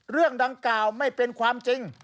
เรื่องดังกล่าวไม่เป็นความจริง